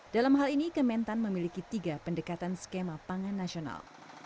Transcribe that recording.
dalam hal ini kementan memiliki tiga pendekatan skema pangan nasional